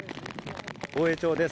大江町です。